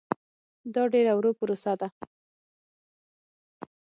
دا ډېره ورو پروسه ده.